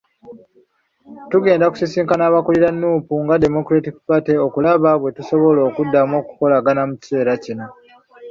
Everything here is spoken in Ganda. Tugenda kusisinkana abakulira Nuupu nga Democratic Party okulaba bwe tusobola okuddamu okukolagana mu kiseera kino.